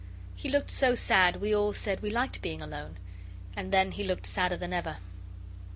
He looked so sad we all said we liked being alone. And then he looked sadder than ever.